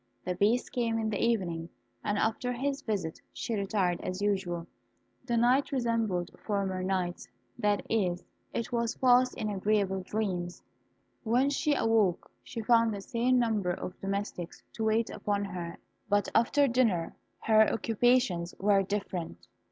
The Beast came in the evening, and after his visit she retired, as usual. The night resembled former nights, that is, it was passed in agreeable dreams. When she awoke, she found the same number of domestics to wait upon her; but after dinner her occupations were different.